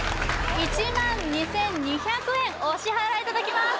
１２２００円お支払いいただきます